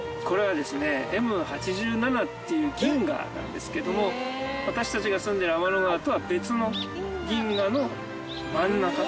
これはですねＭ８７っていう銀河なんですけども私たちが住んでいる天の川とは別の銀河の真ん中。